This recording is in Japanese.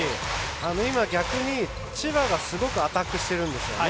今、逆に千葉がすごくアタックしてるんですよね。